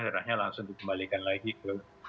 darahnya langsung dikembalikan lagi ke